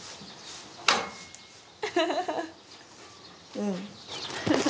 うん。